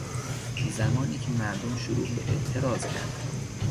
زمانی که مردم شروع به اعتراض کردند